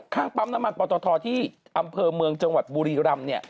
ข้างปั๊มน้ำมันปอตทที่อำเภอเมืองจังหวัดบุรีรำ